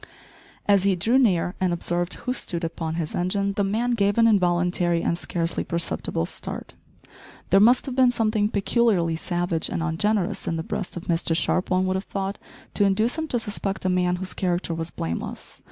As he drew near and observed who stood upon his engine, the man gave an involuntary and scarcely perceptible start. There must have been something peculiarly savage and ungenerous in the breast of Mr Sharp, one would have thought, to induce him to suspect a man whose character was blameless.